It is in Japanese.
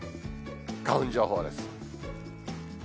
花粉情報です。